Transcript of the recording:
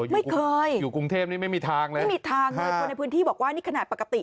ไม่เคยไม่มีทางเลยคนในพื้นที่บอกว่านี่ขนาดปกติ